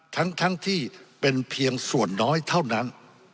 ทั้งที่เป็นเพียงส่วนน้อยเท่านั้น